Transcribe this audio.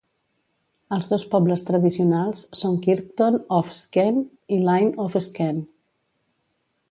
Els dos pobles tradicionals són Kirkton of Skene i Lyne of Skene.